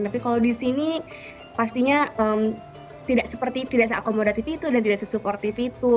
tapi kalau di sini pastinya tidak seperti tidak se akomodatif itu dan tidak se supportif itu